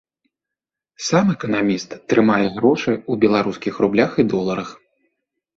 Сам эканаміст трымае грошы ў беларускіх рублях і доларах.